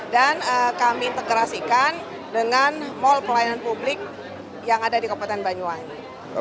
dan kami integrasikan dengan mal pelayanan publik yang ada di kabupaten banyuwangi